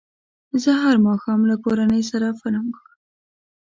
زه هر ماښام له کورنۍ سره فلم ګورم.